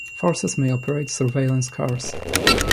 Forces may operate surveillance cars.